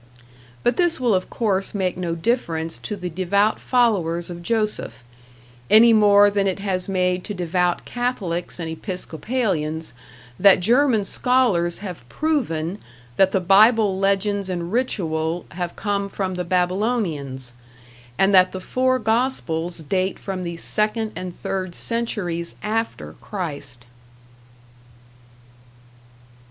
But this will of course make no difference to the devout followers of Joseph any more than it has made to devout Catholics and Episcopalians that German scholars have proven that the Bible legends and ritual have come from the Babylonians, and that the four gospels date from the second and third centuries after Christ.